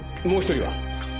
もう１人は？